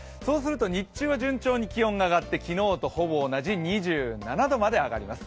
日中は順調に気温が上がって昨日とほぼ同じ２７度まで上がります。